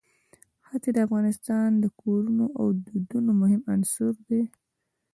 ښتې د افغان کورنیو د دودونو مهم عنصر دی.